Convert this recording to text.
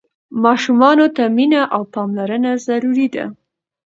ماشومانو ته مينه او پاملرنه ضروري ده.